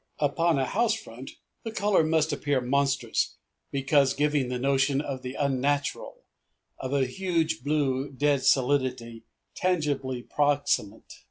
Upon a housefront the color must appear monstrous, because giving the notion of the unnatural, of a huge blue dead solidity tangibly proximate.